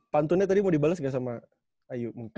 pantunnya tadi mau dibalas gak sama ayu